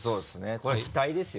これは期待ですよ